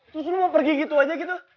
terus lo mau pergi gitu aja gitu